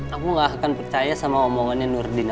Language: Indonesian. aku gak akan percaya sama omongannya nur dina